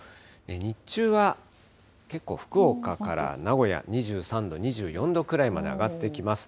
日中は結構、福岡から名古屋、２３度、２４度くらいまで上がってきます。